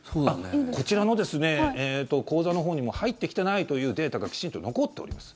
こちらの口座のほうにも入ってきていないというデータがきちんと残っております。